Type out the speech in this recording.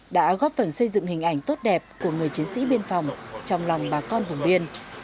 đã góp phần xây dựng hình ảnh tốt đẹp của người chiến sĩ biên phòng trong lòng bà con vùng biên